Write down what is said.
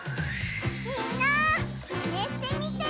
みんなマネしてみてね！